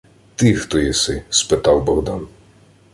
— Ти хто єси? — спитав Богдан.